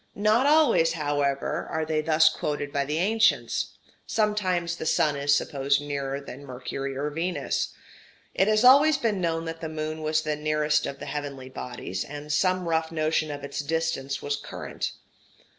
Not always, however, are they thus quoted by the ancients: sometimes the sun is supposed nearer than Mercury or Venus. It has always been known that the moon was the nearest of the heavenly bodies; and some rough notion of its distance was current.